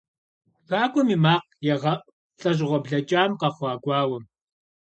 ТхакӀуэм и макъ егъэӀу лӀэщӀыгъуэ блэкӀам къэхъуа гуауэм.